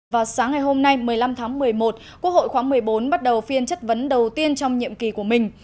và sáng ngày hôm nay một mươi năm tháng một mươi một quốc hội khóa một mươi bốn bắt đầu phiên chất vấn đầu tiên trong nhiệm kỳ của mình